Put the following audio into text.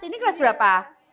ini kelas berapa